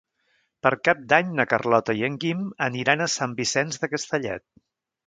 Per Cap d'Any na Carlota i en Guim aniran a Sant Vicenç de Castellet.